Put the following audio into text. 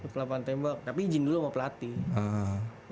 kelapaan tembak tapi izin dulu sama pelatih